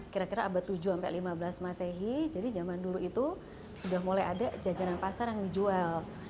kira kira abad tujuh sampai lima belas masehi jadi zaman dulu itu sudah mulai ada jajanan pasar yang dijual